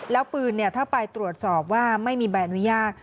แล้วปืนถ้าไปตรวจสอบว่าไม่มีใบอนุญาต